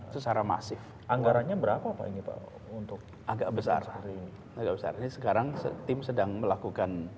secara masif anggarannya berapa pak untuk agak besar besar ini sekarang tim sedang melakukan